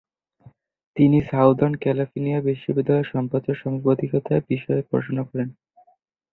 তিনি Southern California বিশ্ববিদ্যালয়ে সম্প্রচার সাংবাদিকতা বিষয়ে পড়াশুনা করেন।